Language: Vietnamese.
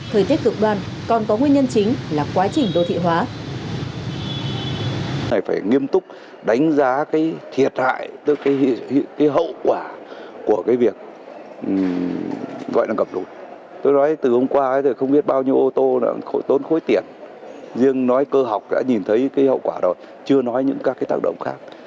thời tiết cực đoan còn có nguyên nhân chính là quá trình đô thị hóa